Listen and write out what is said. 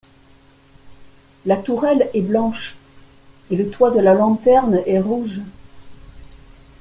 La tourelle est blanche et le toit de la lanterne est rouge.